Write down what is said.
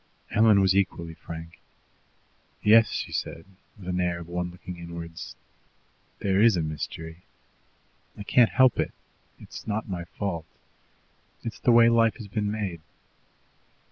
Helen was equally frank. "Yes," she said, with the air of one looking inwards, "there is a mystery. I can't help it. It's not my fault. It's the way life has been made."